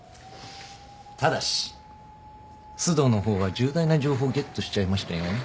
ただし須藤の方は重大な情報ゲットしちゃいましたよ。